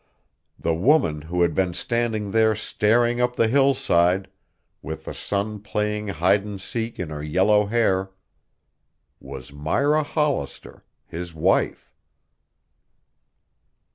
The woman who had been standing there staring up the hillside, with the sun playing hide and seek in her yellow hair, was Myra Hollister, his wife.